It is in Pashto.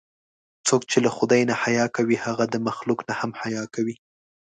څوک چې له خدای نه حیا کوي، هغه د مخلوق نه هم حیا کوي.